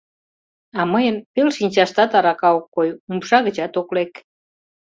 А мыйын пел шинчаштат арака ок кой, умша гычат ок лек.